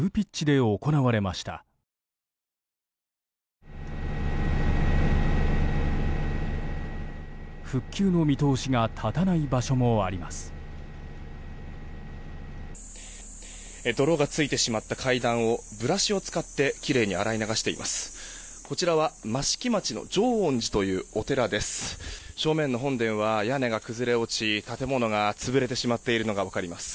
泥がついてしまった階段をブラシを使ってきれいに洗い流しています。